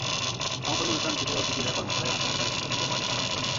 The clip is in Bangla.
সমাপনী অনুষ্ঠান শেষে অতিথিরা কর্মশালায় অংশগ্রহণকারী শিক্ষার্থীদের মাঝে সনদ বিতরণ করেন।